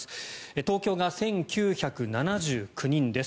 東京が１９７９人です。